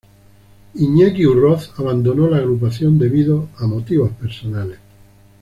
Iñaki Urroz, abandonó la agrupación debido a motivos personales.